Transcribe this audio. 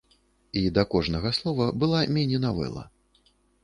І да кожнага слова была міні-навэла.